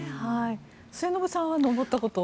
末延さんは登ったことは？